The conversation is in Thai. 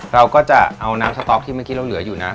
เราก็จะเอาน้ำสต๊อกที่เมื่อกี้เราเหลืออยู่นะ